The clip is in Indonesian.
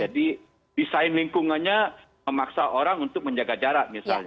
jadi desain lingkungannya memaksa orang untuk menjaga jarak misalnya